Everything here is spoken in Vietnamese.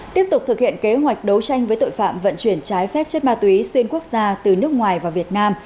tiếp tục thực hiện kế hoạch đấu tranh với tội phạm vận chuyển trái phép chất ma túy xuyên quốc gia từ nước ngoài vào việt nam